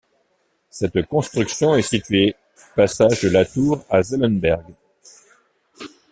Cette construction est située passage de la Tour à Zellenberg.